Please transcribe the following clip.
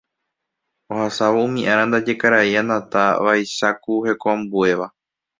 Ohasávo umi ára ndaje karai Anata vaicháku hekoambuéva.